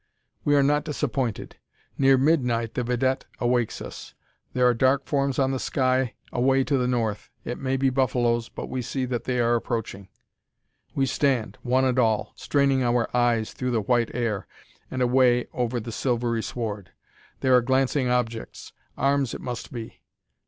We are not disappointed. Near midnight the vidette awakes us. There are dark forms on the sky away to the north. It may be buffaloes, but we see that they are approaching. We stand, one and all, straining our eyes through the white air, and away over the silvery sward. There are glancing objects: arms it must be.